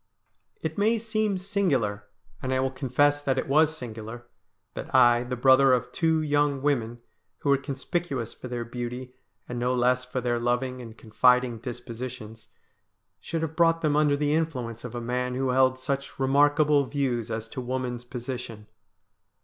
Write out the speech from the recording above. It may seem singular, and I will confess that it was singular, that I, the brother of two young women, who were conspicuous for their beauty, and no less for their loving and confiding dispositions, should have brought them under the influence of a man who held such remarkable views as to woman's position.